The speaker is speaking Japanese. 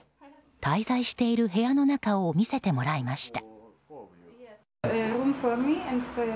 滞在している部屋の中を見せてもらいました。